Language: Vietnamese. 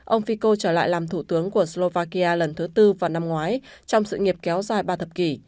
ông fico trở lại làm thủ tướng của slovakia lần thứ tư vào năm ngoái trong sự nghiệp kéo dài ba thập kỷ